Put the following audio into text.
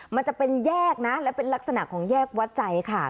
มันจะเป็นแยกนะและเป็นลักษณะของแยกวัดใจค่ะ